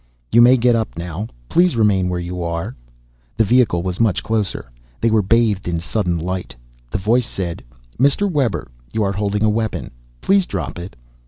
"You may get up now. Please remain where you are." The vehicle was much closer. They were bathed in sudden light. The voice said, "Mr. Webber, you are holding a weapon. Please drop it."